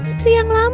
mau hidupin oh